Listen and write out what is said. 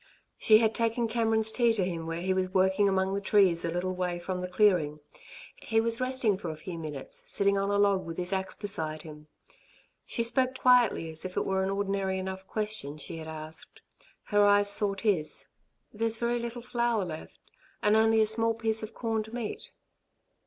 She had taken Cameron's tea to him where he was working among the trees a little way from the clearing. He was resting for a few minutes, sitting on a log with his axe beside him. She spoke quietly as if it were an ordinary enough question she had asked. Her eyes sought his. "There's very little flour left, and only a small piece of corned meat."